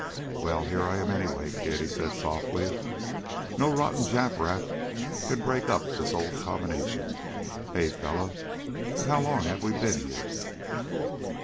"Well, here I am anyway, kid," he said softly. "No rotten Jap rats can break up this old combination, hey, fellow? But how long have we been here?"